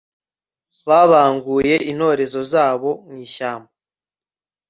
babanguye intorezo zabo mu ishyamba